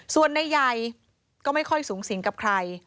ส่วนนายใหญ่ก็ไม่ค่อยสูงสิงกับใคร